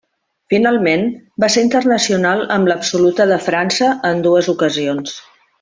Finalment, va ser internacional amb l'absoluta de França en dues ocasions.